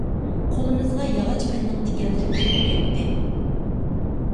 قولىمىزغا ياغاچ پەننىڭ تىكەنلىرى كىرىپ كەتتى.